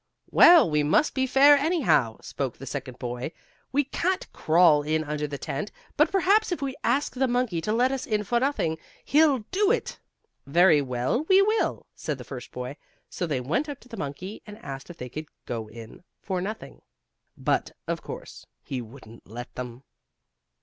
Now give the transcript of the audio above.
"Well, we must be fair, anyhow," spoke the second boy. "We can't crawl in under the tent, but perhaps if we ask the monkey to let us in for nothing he'll do it." "Very well, we will," said the first boy. So they went up to the monkey and asked if they could go in for nothing, but, of course, he wouldn't let them.